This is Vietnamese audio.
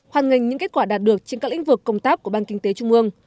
hoàn ngành những kết quả đạt được trên các lĩnh vực công tác của ban kinh tế trung ương